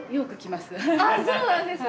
あっそうなんですね